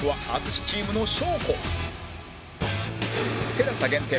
ＴＥＬＡＳＡ 限定